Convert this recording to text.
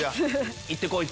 行って来い！